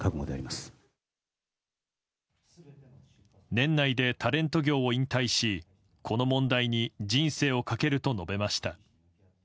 年内でタレント業を引退しこの問題に人生をかけると述べました。